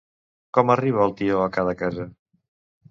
Com arriba el tió a cada casa?